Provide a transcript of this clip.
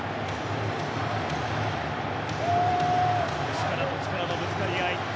力と力のぶつかり合い。